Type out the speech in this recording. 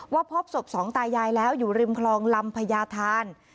พบศพสองตายายแล้วอยู่ริมคลองลำพญาธาน